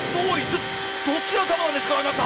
ちょっとどちらさまなんですかあなた？